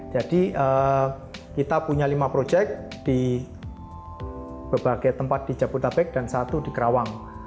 jadi kita punya lima project di berbagai tempat di jabodabek dan satu di kerawang